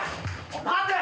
待てよ！